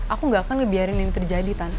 aku gak akan ngebiarin ini terjadi tante